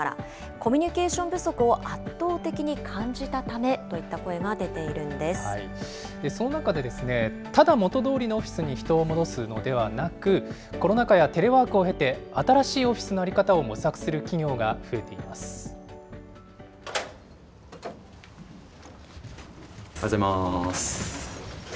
コミュニケーション不足を圧倒的に感じたためといった声が出ていその中で、ただ元どおりのオフィスに人を戻すのではなく、コロナ禍やテレワークを経て、新しいオフィスの在り方を模索するおはようございます。